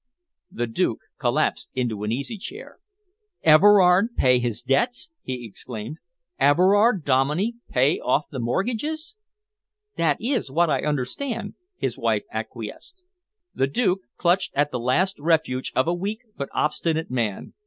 The Duke collapsed into an easy chair. "Everard pay his debts?" he exclaimed. "Everard Dominey pay off the mortgages?" "That is what I understand," his wife acquiesced. The Duke clutched at the last refuge of a weak but obstinate man.